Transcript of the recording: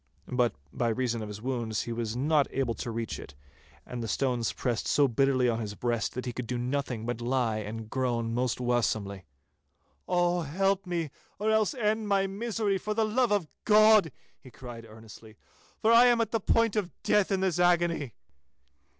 But, by reason of his wounds, he was not able to reach it, and the stones pressed so bitterly on his breast that he could do nothing but lie and groan most waesomely. 'Oh, help me, or else end my misery—for the love of God,' he cried earnestly, 'for I am at the point of death in this agony.